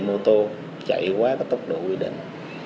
điện mô tô chạy quá tốc độ quy định